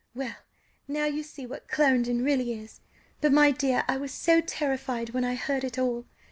Well! now you see what Clarendon really is! But, my dear, I was so terrified when I heard it all.